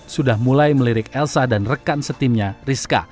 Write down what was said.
sudah mulai melirik elsa dan rekan setimnya rizka